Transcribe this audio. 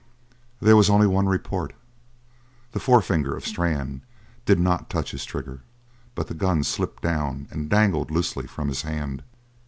There was only one report. The forefinger of Strann did not touch his trigger, but the gun slipped down and dangled loosely from his hand.